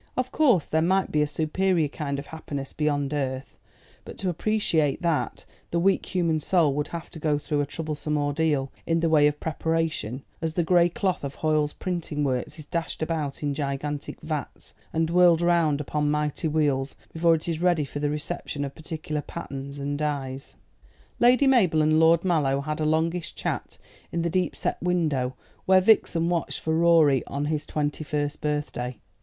Of course there might be a superior kind of happiness beyond earth; but to appreciate that the weak human soul would have to go through a troublesome ordeal in the way of preparation, as the gray cloth at Hoyle's printing works is dashed about in gigantic vats, and whirled round upon mighty wheels, before it is ready for the reception of particular patterns and dyes. Lady Mabel and Lord Mallow had a longish chat in the deep set window where Vixen watched for Rorie on his twenty first birthday.